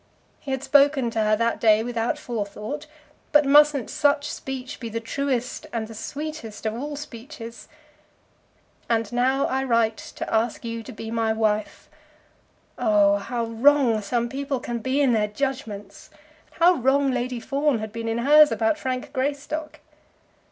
He had spoken to her that day without forethought; but mustn't such speech be the truest and the sweetest of all speeches? "And now I write to you to ask you to be my wife." Oh, how wrong some people can be in their judgments! How wrong Lady Fawn had been in hers about Frank Greystock!